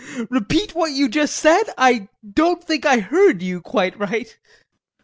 Repeat what you just said; I don't think I heard you quite right. SEREBRAKOFF.